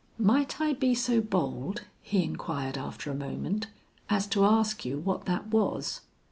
"Might I be so bold," he inquired after a moment, "as to ask you what that was?"